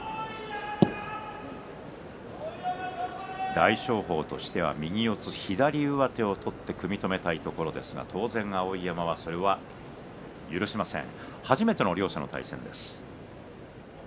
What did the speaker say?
大翔鵬としては右四つ左上手を取って組み止めたいところですが当然、碧山はそれを許しません。